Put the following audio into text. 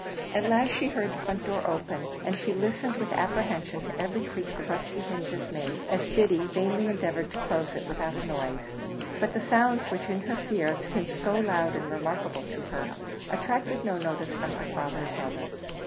At last she heard the front door open, and she listened with apprehension to every creak the rusty hinges made as Biddy vainly endeavoured to close it without a noise; but the sounds, which, in her fear, seemed so loud and remarkable to her, attracted no notice from her father or brother.